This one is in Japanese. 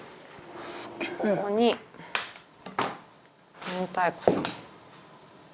ここに明太子さん。